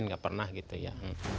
nggak pernah gitu ya